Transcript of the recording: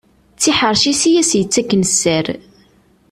D tiḥerci-s i as-yettaken sser.